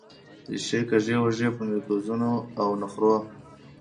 ریښې کږې وږې په مکیزونو او نخرو